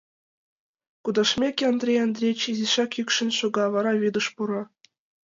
Кудашмеке, Андрей Андреич изишак йӱкшен шога, вара вӱдыш пура.